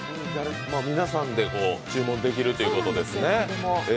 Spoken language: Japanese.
皆さんで注文できるということですね。